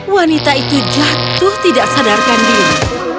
wanita itu jatuh tidak sadarkan diri